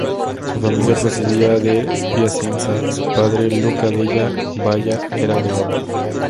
Su familia procedía de Piacenza; su padre, Luca della Valla era abogado.